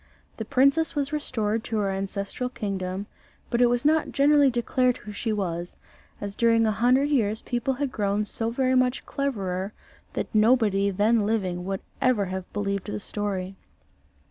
The princess was restored to her ancestral kingdom, but it was not generally declared who she was, as during a hundred years people had grown so very much cleverer that nobody then living would ever have believed the story.